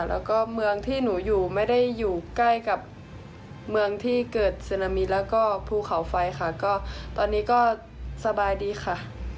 แล้วก็เมืองที่หนูอยู่ไม่ได้อยู่ใกล้กับเมืองที่เกิดซึนามิแล้วก็ภูเขาไฟค่ะก็ตอนนี้ก็สบายดีค่ะ